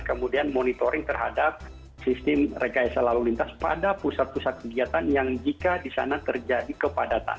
kemudian monitoring terhadap sistem rekayasa lalu lintas pada pusat pusat kegiatan yang jika di sana terjadi kepadatan